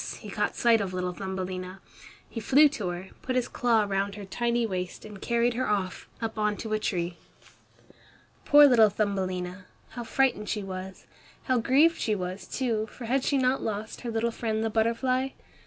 he caught sight of little Thumbelina. He flew to her, put his claw round her tiny waist and carried her off, up on to a tree. Poor little Thumbelina! How frightened she was! How grieved she was, too, for had she not lost her little friend the butterfly?